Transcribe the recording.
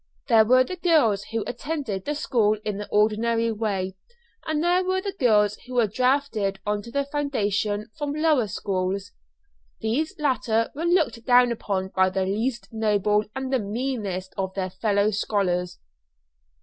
There were the girls who attended the school in the ordinary way, and there were the girls who were drafted on to the foundation from lower schools. These latter were looked down upon by the least noble and the meanest of their fellow scholars.